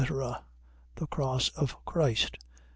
.The cross of Christ.